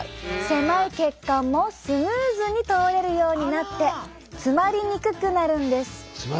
狭い血管もスムーズに通れるようになって詰まりにくくなるんです。